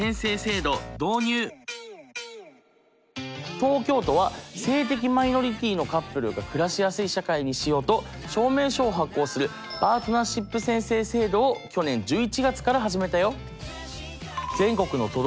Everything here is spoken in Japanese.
東京都は性的マイノリティーのカップルが暮らしやすい社会にしようと証明書を発行するパートナーシップ宣誓制度を去年１１月から始めたよ。